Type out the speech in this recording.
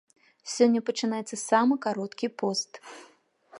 Сёння пачынаецца самы кароткі пост.